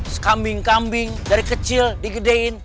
sekambing kambing dari kecil digedein